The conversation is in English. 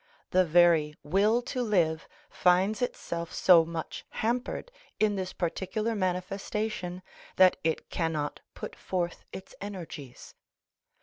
The very will to live finds itself so much hampered in this particular manifestation that it cannot put forth its energies.